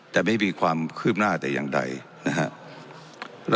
แต่ไม่มีความคืบหน้าแต่อย่างใดนะครับ